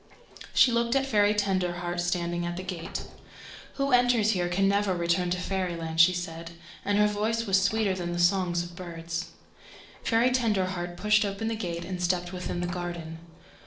She looked at Fairy Tenderheart standing at the gate. "Who enters here can never return to Fairyland," she said, and her voice was sweeter than the songs of birds. Fairy Tenderheart pushed open the gate and stepped within the Garden.